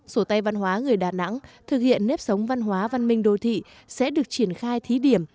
sổ tay văn hóa người đà nẵng thực hiện nếp sống văn hóa văn minh đô thị sẽ được triển khai thí điểm